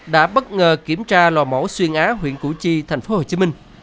đã bất ngờ kiểm tra lò mổ xuyên á huyện củ chi tp hcm